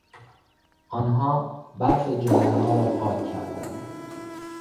آنها برف جادهها را پاک کردند.